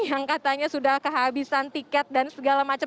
yang katanya sudah kehabisan tiket dan segala macam